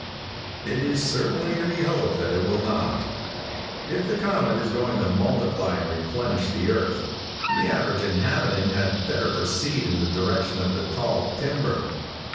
It is certainly to be hoped that it will not. If the comet is going to multiply and replenish the earth, the average inhabitant had better proceed in the direction of the tall timber.